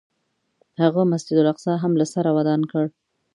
هغه مسجد الاقصی هم له سره ودان کړ.